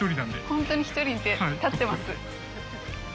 ホントに１人で立ってます。